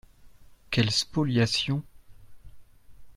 Quelle spoliation